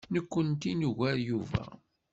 Nekkenti nugar Yuba.